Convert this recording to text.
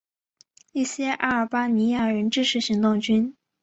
一些阿尔巴尼亚人支持行动军。